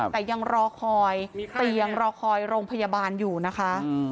แต่ยังรอคอยเตียงรอคอยโรงพยาบาลอยู่นะคะ